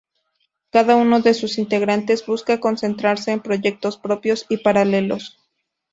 Cada uno de sus integrantes busca concentrarse en proyectos propios y paralelos.